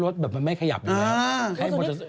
รถแบบมันไม่ขยับเลย